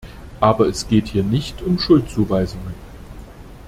Aber es geht hier nicht um Schuldzuweisungen.